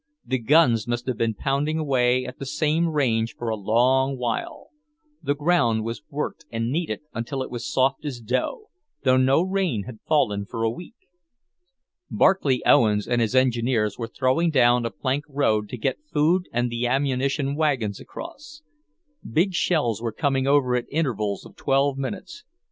The guns must have been pounding away at the same range for a long while; the ground was worked and kneaded until it was soft as dough, though no rain had fallen for a week. Barclay Owens and his engineers were throwing down a plank road to get food and the ammunition wagons across. Big shells were coming over at intervals of twelve minutes.